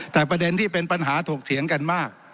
แต่ประเด็นที่เป็นปัญหาถกเถียงกันมาก